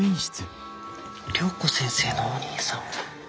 良子先生のお兄さんを？